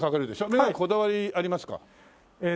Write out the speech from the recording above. メガネこだわりありますか？